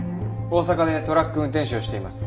大阪でトラック運転手をしています。